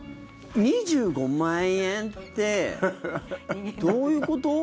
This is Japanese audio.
２５万円ってどういうこと？